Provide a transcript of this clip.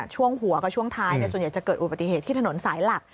ช่วงหัวกับช่วงท้ายส่วนใหญ่จะเกิดอุบัติเหตุที่ถนนสายหลัก